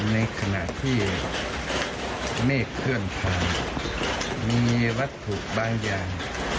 ในขณะที่เมฆเคลื่อนผ่านมีวัตถุบางอย่าง